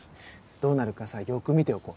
どうなるかさよーく見ておこう。